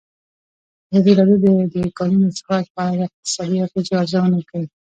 ازادي راډیو د د کانونو استخراج په اړه د اقتصادي اغېزو ارزونه کړې.